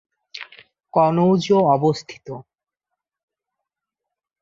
কনৌজ অবস্থিত।